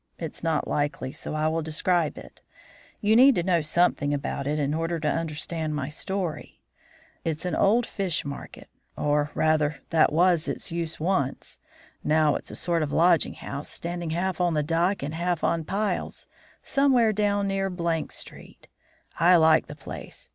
It's not likely, so I will describe it; you need to know something about it in order to understand my story. "It's an old fish market, or, rather, that was its use once; now it's a sort of lodging house, standing half on the dock and half on piles, somewhere down near Street. I like the place.